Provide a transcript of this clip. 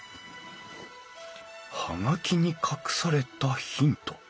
葉書に隠されたヒント。